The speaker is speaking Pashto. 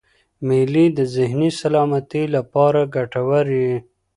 مېلې د ذهني سلامتۍ له پاره ګټوري يي.